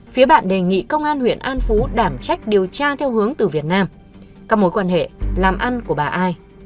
phía bạn đề nghị công an huyện an phú đảm trách điều tra theo hướng từ việt nam các mối quan hệ làm ăn của bà ai